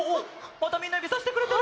またみんなゆびさしてくれてる！